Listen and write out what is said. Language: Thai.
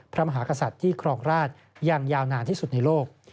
พระมหากษัตริย์ที่ครองราชอย่างยาวนานที่สุดในโลก